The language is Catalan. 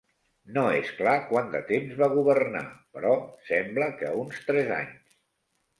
No és clar quant de temps va governar, però sembla que uns tres anys.